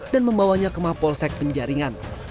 dan membawanya kema polsek penjaringan